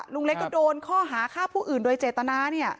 ลุงเล็กก็โดนข้อหาฆ่าผู้อื่นโดยเจตนาเนี่ย